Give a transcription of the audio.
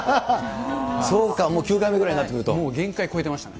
そうか、もう９回目ぐらいにもう限界超えてましたね。